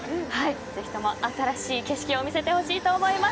ぜひとも新しい景色を見せてほしいと思います。